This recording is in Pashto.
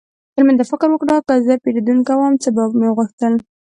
تل دا فکر وکړه: که زه پیرودونکی وم، څه به مې غوښتل؟